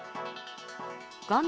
画面